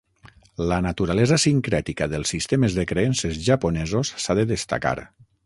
La naturalesa sincrètica dels sistemes de creences japonesos s"ha de destacar.